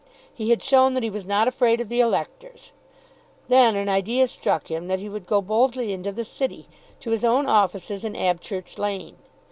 He had shown that he was not afraid of the electors. Then an idea struck him that he would go boldly into the City, to his own offices in Abchurch Lane.